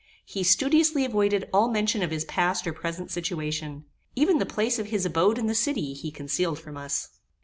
He studiously avoided all mention of his past or present situation. Even the place of his abode in the city he concealed from us.